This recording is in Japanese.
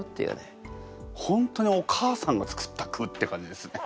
本当にお母さんが作った句って感じですね。